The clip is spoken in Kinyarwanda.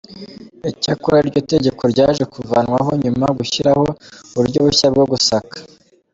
Icyakora iryo tegeko ryaje kuvanwaho nyuma gushyiraho uburyo bushya bwo gusaka.